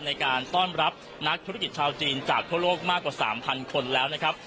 ในการต้อนรับนักธุรกิจชาวจีนจากทั่วโลกมากกว่า๓๐๐คนแล้วนะครับ